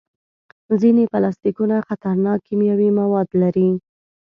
ځینې پلاستيکونه خطرناک کیمیاوي مواد لري.